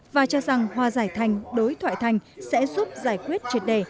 và cho rằng hòa giải thành đối thoại thành sẽ giúp giải quyết triệt đề